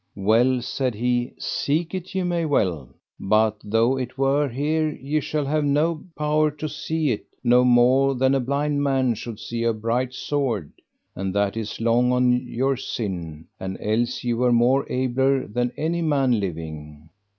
Well, said he, seek it ye may well, but though it were here ye shall have no power to see it no more than a blind man should see a bright sword, and that is long on your sin, and else ye were more abler than any man living.